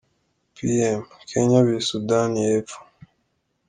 pm - Kenya vs Sudani y’epfo .